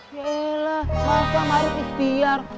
yaelah masa maruk ihtiar